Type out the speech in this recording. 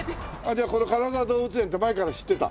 じゃあこの金沢動物園って前から知ってた？